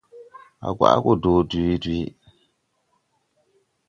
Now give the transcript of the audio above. A gwaʼ go dɔɔ dwee dwee.